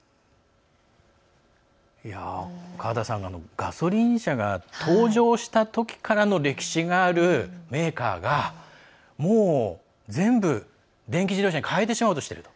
ガソリン車が登場したときからの歴史があるメーカーがもう全部、電気自動車に変えてしまおうとしている。